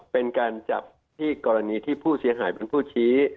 เป็นการจับที่กรณีที่ผู้เสียหายเป็นผู้ชี้